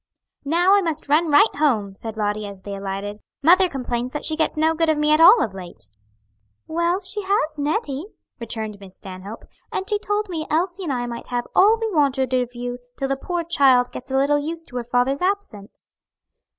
"Now I must run right home," said Lottie, as they alighted. "Mother complains that she gets no good of me at all of late." "Well, she has Nettie," returned Miss Stanhope, "and she told me Elsie and I might have all we wanted of you till the poor child gets a little used to her father's absence."